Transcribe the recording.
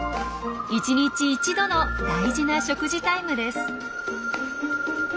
１日１度の大事な食事タイムです。